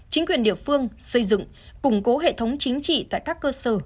chính quyền địa phương xây dựng củng cố hệ thống chính trị tại các cơ sở